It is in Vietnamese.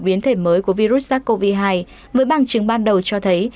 biến thể mới của virus sars cov hai với bằng chứng ban đầu cho thấy